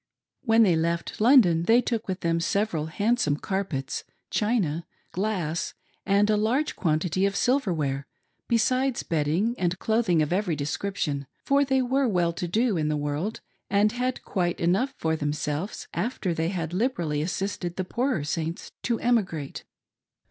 When they left Lofidon, they took with them several handsome carpets, ehina, glass, and a large quantity of silver ware, besides bedding and cloth ing of every description, for they wfere well to do in the world, and had quite enough for themselves, after they had liberally assisted the poorer Saints to emigrate.